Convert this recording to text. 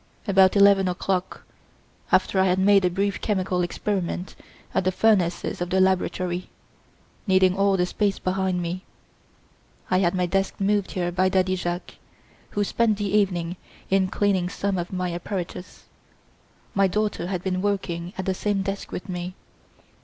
About eleven o'clock, after I had made a brief chemical experiment at the furnaces of the laboratory, needing all the space behind me, I had my desk moved here by Daddy Jacques, who spent the evening in cleaning some of my apparatus. My daughter had been working at the same desk with me.